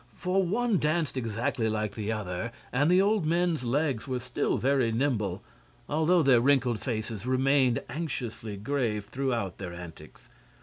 For one danced exactly like the other, and the old men's legs were still very nimble, although their wrinkled faces remained anxiously grave throughout their antics.